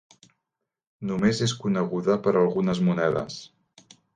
Només és coneguda per algunes monedes.